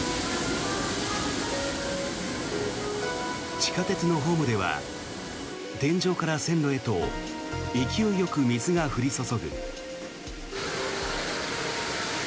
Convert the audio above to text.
地下鉄のホームでは天井から線路へと勢いよく水が降り注ぐ。